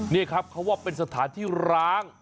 นี่ครับเขาว่าเป็นสถานที่ร้าง